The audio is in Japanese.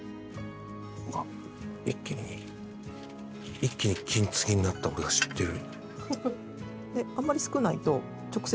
一気に一気に金継ぎになった俺が知ってる。